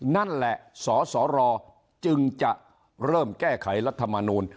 นั่นแหละสสรจึงจะเริ่มแก้ไขรัฐมนูล